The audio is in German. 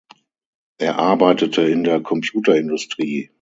Er arbeitete in der Computerindustrie.